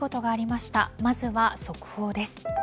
まずは速報です。